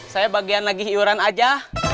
saya bagian lagi iuran aja